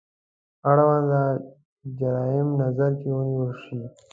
اړونده جرايم نظر کې ونیول شي.